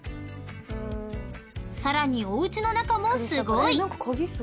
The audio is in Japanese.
［さらにおうちの中もすごい！］